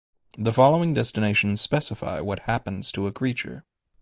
The following definitions specify what happens to a creature